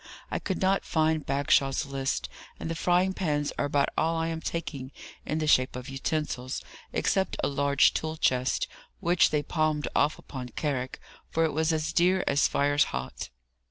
I could not find Bagshaw's list, and the frying pans are about all I am taking, in the shape of utensils, except a large tool chest, which they palmed off upon Carrick, for it was as dear as fire's hot."